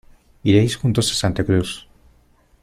Iréis juntos a Santa Cruz.